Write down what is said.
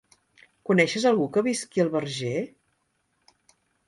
Coneixes algú que visqui al Verger?